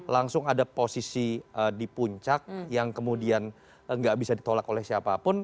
langsung ada posisi di puncak yang kemudian nggak bisa ditolak oleh siapapun